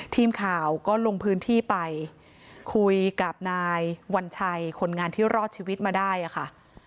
ทีมข่าวก็ลงพื้นที่ไปคุยกับนายวัญชัยคนงานที่รอดชีวิตมาได้อะค่ะ